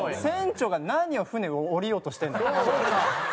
船長が何を船を降りようとしてんだと。